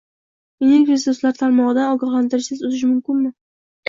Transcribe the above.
Energiya resurslari tarmog’idan ogohlantirishsiz uzish mumkinmi?